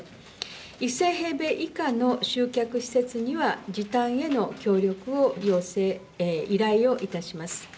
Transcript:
１０００平米以下の集客施設には時短への協力を要請、依頼をいたします。